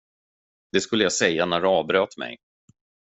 Det skulle jag säga när du avbröt mig.